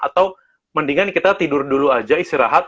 atau mendingan kita tidur dulu aja istirahat